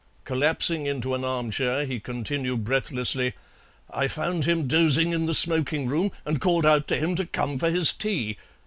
Collapsing into an armchair he continued breathlessly: "I found him dozing in the smoking room, and called out to him to come for his tea.